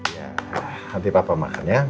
ya nanti papa makan ya